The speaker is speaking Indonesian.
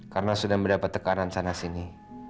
karena sudah mendapat tekanan sana sini